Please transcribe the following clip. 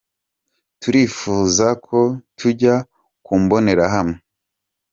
“Turifuza ko tujya ku mbonerahamwe.